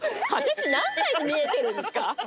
私何歳に見えてるんですか？